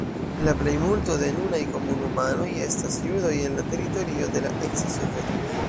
La plejmulto de nunaj komunumanoj estas judoj el la teritorio de la eksa Sovetunio.